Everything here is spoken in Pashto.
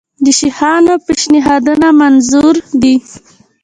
د شیخانانو پېشنهادونه منظور دي.